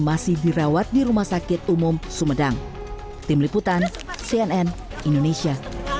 masih dirawat di rumah sakit umum sumedang tim liputan cnn indonesia